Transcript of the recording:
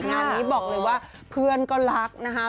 งานนี้บอกเลยว่าเพื่อนก็รักนะคะ